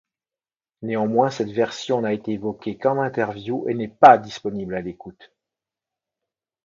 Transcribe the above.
Néanmoins, cette version n'a été évoquée qu'en interview, et n'est pas disponible à l'écoute.